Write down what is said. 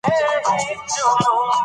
هغه په خپل زوړ جاکټ کې ډېر ساړه خوړلي وو.